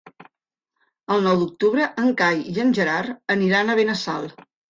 El nou d'octubre en Cai i en Gerard aniran a Benassal.